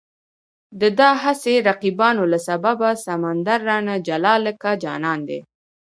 د دا هسې رقیبانو له سببه، سمندر رانه جلا لکه جانان دی